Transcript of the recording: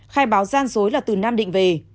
khai báo gian dối là từ nam định về